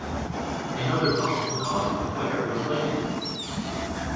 Another possible cause of the fire was lighting.